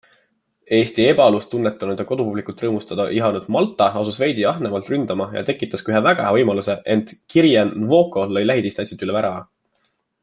Eesti ebalust tunnetanud ja kodupublikut rõõmustada ihanud Malta asus veidi ahnemalt ründama ja tekitas ka ühe väga hea võimaluse, ent Kyrian Nwoko lõi lähidistantsilt üle värava.